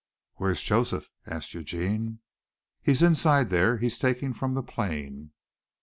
"Where's Joseph?" asked Eugene. "He's inside there. He's taking from the plane."